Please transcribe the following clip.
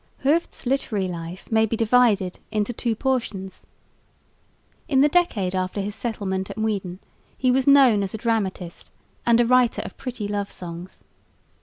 Hooft's literary life may be divided into two portions. In the decade after his settlement at Muiden, he was known as a dramatist and a writer of pretty love songs.